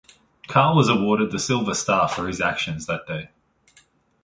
Carr was awarded the Silver Star for his actions that day.